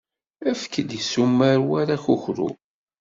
Efk-d issumar war akukru.